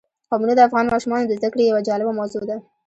قومونه د افغان ماشومانو د زده کړې یوه جالبه موضوع ده.